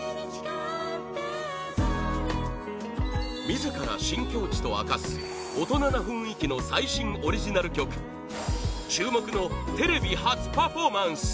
自ら新境地と明かす大人な雰囲気の最新オリジナル曲注目のテレビ初パフォーマンス！